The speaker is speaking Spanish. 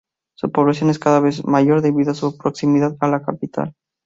Su población es cada vez mayor debido a su proximidad a la capital.